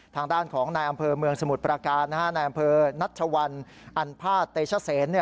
ทางด้านของนายอำเภอเมืองสมุทรประการในอำเภอนัชวัลอันพาทเตชเซน